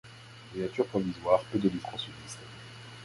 De nature provisoire, peu de litres ont subsisté.